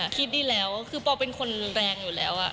คิดดีแล้วคือปอลเป็นคนแรงอยู่แล้ว